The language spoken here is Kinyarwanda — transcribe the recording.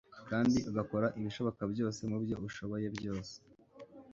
kandi ugakora ibishoboka byose mubyo ushoboye byose,